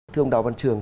thưa ông đào văn trường